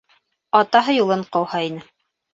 Атаһы юлын ҡыуһа ине.